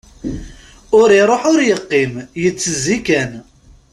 Ur iṛuḥ ur yeqqim, yettezzi kan.